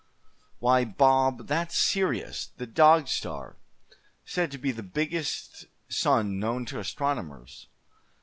Why, Bob, that's Sirius, the Dog Star, said to be the biggest sun known to astronomers.